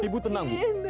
ibu tenang bu